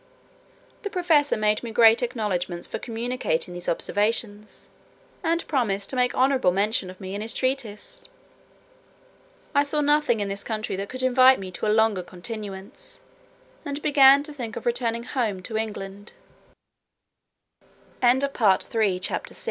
The professor made me great acknowledgments for communicating these observations, and promised to make honourable mention of me in his treatise. I saw nothing in this country that could invite me to a longer continuance, and began to think of returning home to Engl